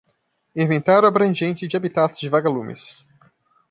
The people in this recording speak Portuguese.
Inventário abrangente de habitats de vaga-lumes